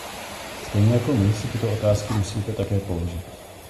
Stejně jako my si tyto otázky musíte také položit.